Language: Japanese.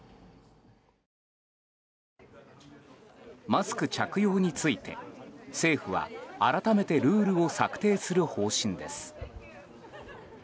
マスク着用について、政府は改めてルールを策定する方針です。